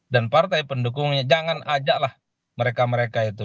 dan partai pendukungnya jangan ajaklah mereka mereka itu